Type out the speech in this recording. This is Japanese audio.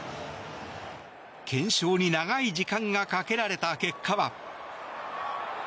検証に長い時間がかけられた結果は。